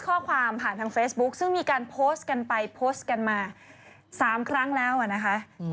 ขอถามนะคุณปวดขมองตรงไหนขมับ